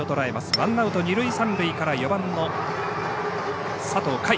ワンアウト、二塁三塁から４番の佐藤海。